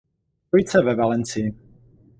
Trojice ve Valencii.